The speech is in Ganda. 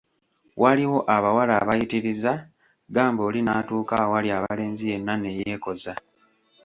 Waliwo abawala abayitiriza, gamba oli n’atuuka awali abalenzi yenna ne yeekoza.